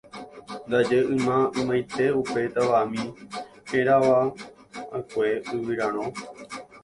Ndaje yma ymaite upe Tavami herava'ekue Yvyraro.